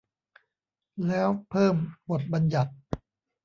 แล้วเพิ่มบทบัญญัติ